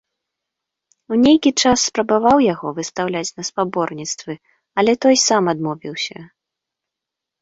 У нейкі час спрабаваў яго выстаўляць на спаборніцтвы, але той сам адмовіўся.